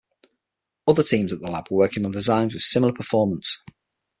Other teams at the lab were working on designs with similar performance.